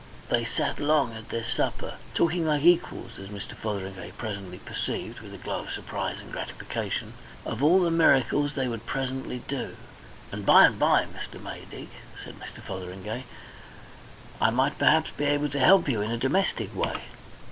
They sat long at their supper, talking like equals, as Mr. Fotheringay presently perceived, with a glow of surprise and gratification, of all the miracles they would presently do. "And, by the by, Mr. Maydig," said Mr. Fotheringay, "I might perhaps be able to help you in a domestic way."